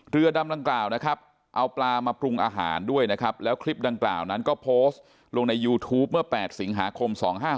เรือดำดังกล่าวนะครับเอาปลามาปรุงอาหารด้วยนะครับแล้วคลิปดังกล่าวนั้นก็โพสต์ลงในยูทูปเมื่อ๘สิงหาคม๒๕๖